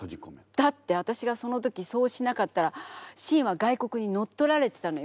だってわたしがその時そうしなかったら清は外国にのっとられてたのよ。